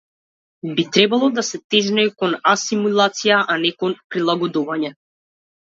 Би требало да се тежнее кон асимилација, а не кон прилагодување.